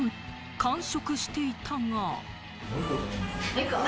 完食していたが。